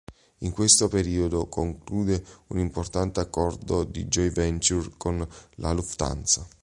In questo periodo conclude un importante accordo di joint venture con la Lufthansa.